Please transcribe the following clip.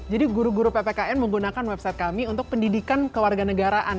jadi guru guru ppkn menggunakan website kami untuk pendidikan kewarganegaraan